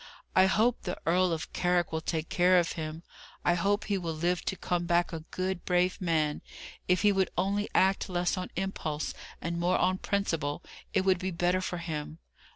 I hope the Earl of Carrick will take care of him. I hope he will live to come back a good, brave man! If he would only act less on impulse and more on principle, it would be better for him.